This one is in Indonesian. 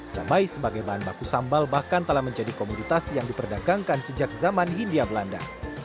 cabai sebagai bahan baku sambal bahkan telah menjadi komoditas yang diperdagangkan sejak zaman hindia belanda